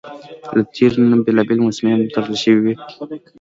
له تیږو نه بېلابېلې مجسمې هم توږل شوې وې.